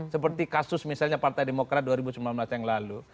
seperti kasus misalnya partai demokrat dua ribu sembilan belas yang lalu